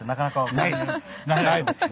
ないですね。